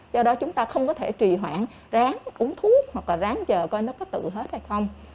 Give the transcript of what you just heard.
do đó chúng ta không có thể trì hoãn ráng uống thuốc hoặc là ráng chờ coi nó có tự hết hay không